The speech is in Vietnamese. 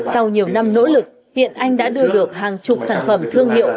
sau nhiều năm nỗ lực hiện anh đã đưa được hàng chục sản phẩm thương hiệu